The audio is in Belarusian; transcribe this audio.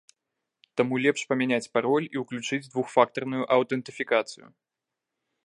Таму лепш памяняць пароль і ўключыць двухфактарную аўтэнтыфікацыю.